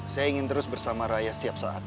saya ingin terus bersama raya setiap saat